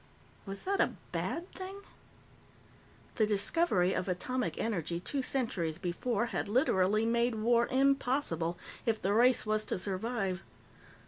Was that a bad thing? The discovery of atomic energy, two centuries before, had literally made war impossible, if the race was to survive.